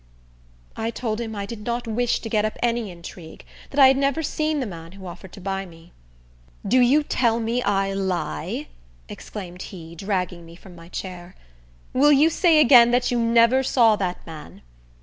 I told him I did not wish to get up any intrigue; that I had never seen the man who offered to buy me. "Do you tell me I lie?" exclaimed he, dragging me from my chair. "Will you say again that you never saw that man?"